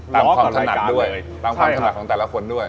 ความถนัดด้วยตามความถนัดของแต่ละคนด้วย